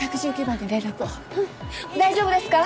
大丈夫ですか？